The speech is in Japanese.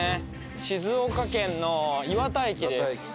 静岡県の磐田駅です。